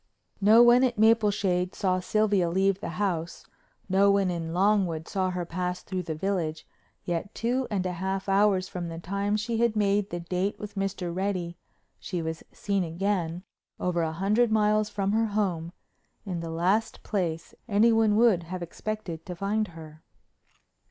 No one at Mapleshade saw Sylvia leave the house, no one in Longwood saw her pass through the village, yet, two and a half hours from the time she had made the date with Mr. Reddy, she was seen again, over a hundred miles from her home, in the last place anyone would have expected to find her.